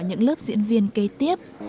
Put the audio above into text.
những lớp diễn viên kế tiếp